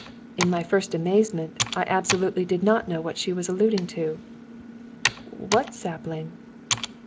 In my first amazement I absolutely did not know what she was alluding to. "What sapling?"